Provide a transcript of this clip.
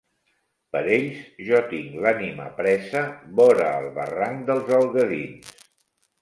Per ells jo tinc l'ànima presa, vora el barranc dels Algadins.